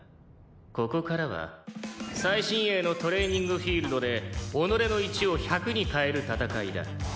ここからは最新鋭のトレーニングフィールドで己の１を１００に変える戦いだ。